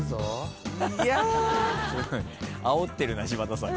あおってるな柴田さんが。